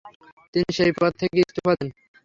তিনি সেই পদ থেকে ইস্তফা দেন।